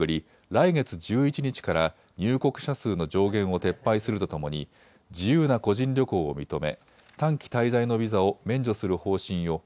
来月１１日から入国者数の上限を撤廃するとともに自由な個人旅行を認め短期滞在のビザを免除する方針を。